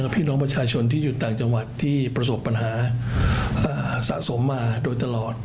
พี่น้องประชาชนที่อยู่ต่างจังหวัดที่ประสบปัญหาสะสมมาโดยตลอด